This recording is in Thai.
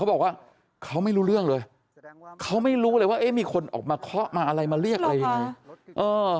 บอกว่าเขาไม่รู้เรื่องเลยเขาไม่รู้เลยว่าเอ๊ะมีคนออกมาเคาะมาอะไรมาเรียกอะไรอย่างนี้